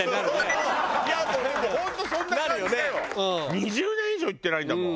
２０年以上行ってないんだもん。